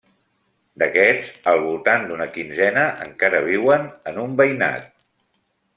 D'aquests, al voltant d'una quinzena encara viuen en un veïnat.